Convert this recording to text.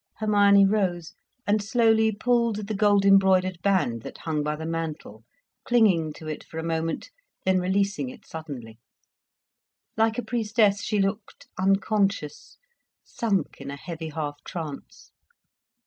Hermione rose and slowly pulled the gold embroidered band that hung by the mantel, clinging to it for a moment, then releasing it suddenly. Like a priestess she looked, unconscious, sunk in a heavy half trance.